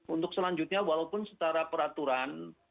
untuk selanjutnya walaupun secara peraturan